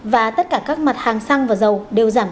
và tất cả các mặt hàng xăng và dầu đều giảm